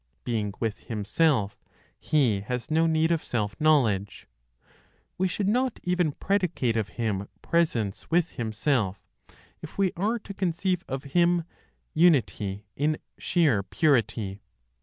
Being with Himself, He has no need of self knowledge. We should not even predicate of Him presence with Himself, if we are to conceive of Him Unity in sheer purity.